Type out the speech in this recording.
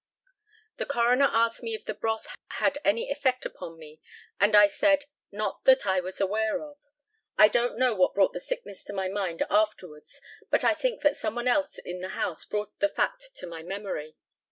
The coroner asked me if the broth had any effect upon me; and I said, "Not that I was aware of." I don't know what brought the sickness to my mind afterwards, but I think that some one else in the house brought the fact to my memory.